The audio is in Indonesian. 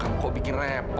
terima kasih ya bu